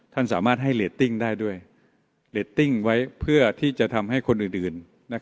ท่านสามารถให้เรตติ้งได้ด้วยเรตติ้งไว้เพื่อที่จะทำให้คนอื่น